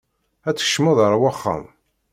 Ad tkecmeḍ ar waxxam.